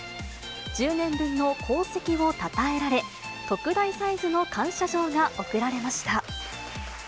１０年分の功績をたたえられ、特大サイズの感謝状が贈られました。